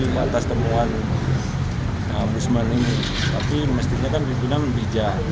batas temuan ombudsman ini tapi mestinya kan pimpinan bijak